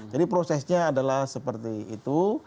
jadi prosesnya adalah seperti itu